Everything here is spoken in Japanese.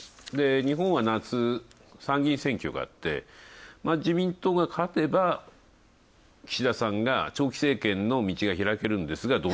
日本は夏、参議院選挙があり自民党が勝てば、岸田さんが長期政権の道が開けるんですが。